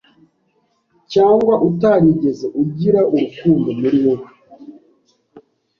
cyangwa utarigeze ugira urukundo muri wowe